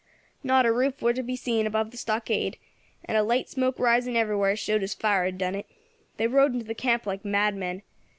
"Not a roof was to be seen above the stockade, and a light smoke rising everywhere showed as fire had done it. They rode into camp like madmen.